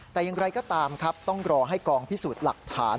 แต่อย่างไรก็ตามครับต้องรอให้กองพิสูจน์หลักฐาน